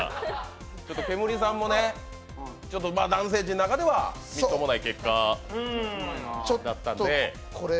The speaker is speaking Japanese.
ケムリさんも男性陣の中ではみっともない結果だったので。